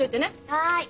はい。